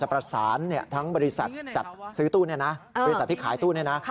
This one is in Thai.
เพราะเอาของบริษัทนี่